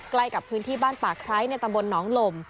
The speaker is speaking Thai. ใกล้กับพื้นที่บ้านป่าไคร้ในตำบลหนองลม